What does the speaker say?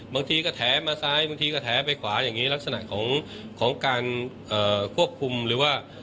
บางทีก็แถมาซ้ายบางทีก็แถไปขวาอย่างนี้ลักษณะของการควบคุมหรือว่า